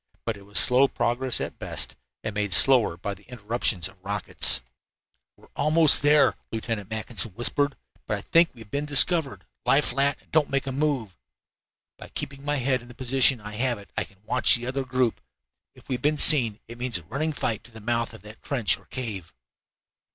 But it was slow progress at best, and made slower by the interruptions of the rockets. "We are almost there," Lieutenant Mackinson whispered, "but I think we have been discovered. Lie flat and don't make a move. By keeping my head in the position I have it I can watch that other group. If we have been seen it means a running fight to the mouth of that trench or cave."